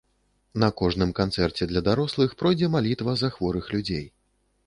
На кожным канцэрце для дарослых пройдзе малітва за хворых людзей.